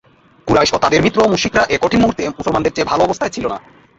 কুরাইশ ও তাদের মিত্র মুশরিকরা এ কঠিন মুহূর্তে মুসলমানদের চেয়ে ভাল অবস্থায় ছিল না।